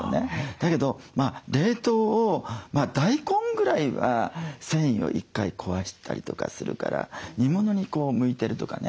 だけど冷凍を大根ぐらいは繊維を１回壊したりとかするから煮物に向いてるとかね